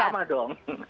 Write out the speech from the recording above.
masih lama dong